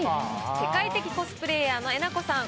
世界的コスプレイヤーのえなこさん。